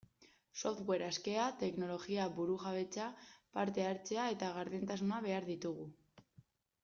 Software askea, teknologia burujabetza, parte-hartzea eta gardentasuna behar ditugu.